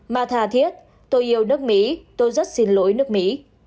mà thà thiết tôi yêu nước mỹ tôi rất xin lỗi nước mỹ